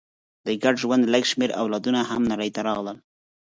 د ګډ ژوند لږ شمېر اولادونه هم نړۍ ته راغلل.